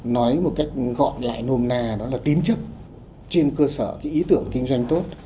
nói một cách gọi lại nồm na đó là tín chấp trên cơ sở cái ý tưởng kinh doanh tốt